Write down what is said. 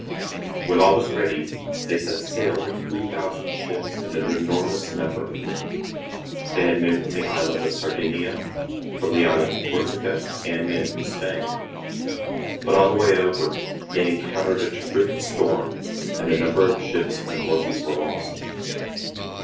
When all was ready they set sail with three thousand ships and an enormous number of men. They had men from the island of Sardinia, from the island of Corsica, and men from Spain ; but on the way over, they B.c. 480.] THE DEATH OF HAMILCAR. 105 encountered a terrific storm and a number of ships and horses were lost.